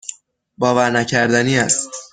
باورنکردنی است.